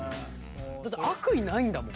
だって悪意ないんだもん。